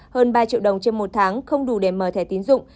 hơn ba triệu đồng trên một tháng không đủ để mở thẻ tín dụng